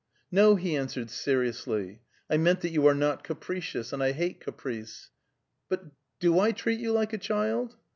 "No," he answered seriously. "I meant that you are not capricious, and I hate caprice. But do I treat you like a child?"